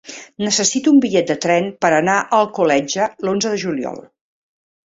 Necessito un bitllet de tren per anar a Alcoletge l'onze de juliol.